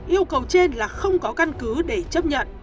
yêu cầu trên là không có căn cứ để chấp nhận